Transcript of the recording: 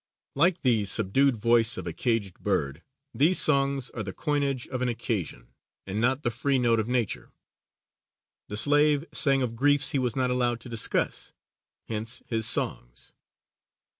Like the subdued voice of a caged bird, these songs are the coinage of an occasion, and not the free note of nature. The slave sang of griefs he was not allowed to discuss, hence his songs.